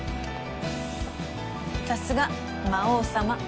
さすが魔王様。